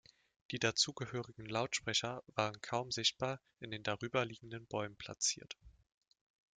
Die dazugehörigen Lautsprecher waren kaum sichtbar in den darüber liegenden Bäumen platziert.